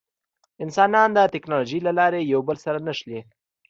انسانان د ټکنالوجۍ له لارې یو بل سره نښلي.